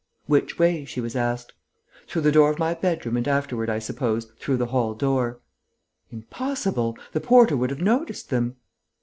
"Which way?" she was asked. "Through the door of my bedroom and afterward, I suppose, through the hall door." "Impossible! The porter would have noticed them."